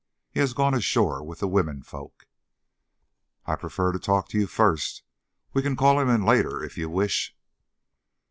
He has gone ashore with the women folks." "I prefer to talk to you, first. We can call him in later if you wish."